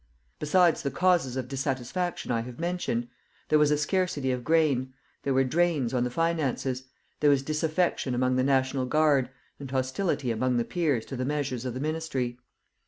Besides the causes of dissatisfaction I have mentioned, there was a scarcity of grain, there were drains on the finances, there was disaffection among the National Guard, and hostility among the peers to the measures of the Ministry.